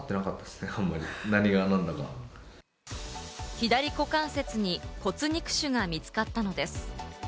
左股関節に骨肉腫が見つかったのです。